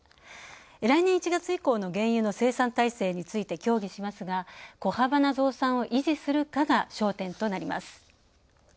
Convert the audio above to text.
来年１月以降の原油生産体制について協議しますが、小幅な増産を維持するかが焦点となります。